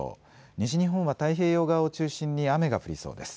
西日本は太平洋側を中心に雨が降りそうです。